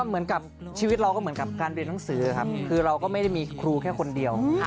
เหมือนกับชีวิตเราก็เหมือนกับการเรียนหนังสือครับคือเราก็ไม่ได้มีครูแค่คนเดียว